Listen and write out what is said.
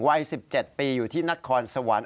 วัย๑๗ปีอยู่ที่นครสวรรค์